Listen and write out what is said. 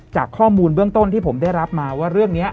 จากข้อมูลเบื้องต้นที่ผมได้รับมาว่าเรื่องนี้